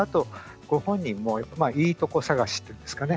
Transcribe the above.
ご本人もいいとこ探しっていうんですかね。